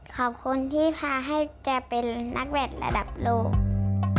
ขอบคุณที่พาให้จะเป็นนักแบบระดับสอง